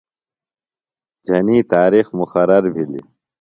جھنی تارِخ مقرر بِھلیۡ۔